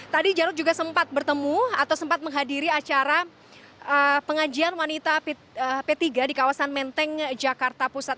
tadi jarod juga sempat bertemu atau sempat menghadiri acara pengajian wanita p tiga di kawasan menteng jakarta pusat